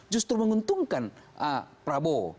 justru menguntungkan prabowo